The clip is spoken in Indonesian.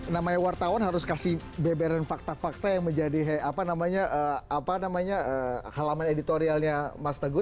namanya wartawan harus kasih beberan fakta fakta yang menjadi halaman editorialnya mas teguh